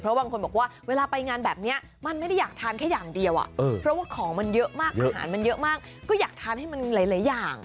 บางคนบอกว่าเวลาไปงานแบบนี้มันไม่ได้อยากทานแค่อย่างเดียวเพราะว่าของมันเยอะมากอาหารมันเยอะมากก็อยากทานให้มันหลายอย่าง